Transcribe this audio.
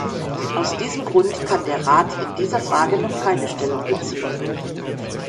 Aus diesem Grund kann der Rat in dieser Frage noch keine Stellung beziehen.